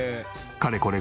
かれこれ